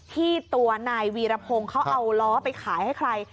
ที่ตัวนายวีรพงศ์เขาเอาล้อไปขายให้ใคร